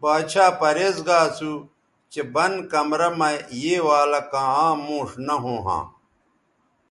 باڇھا پریز گا اسو چہء بند کمرہ مہ یے والہ کاں عام موݜ نہ ھوں ھاں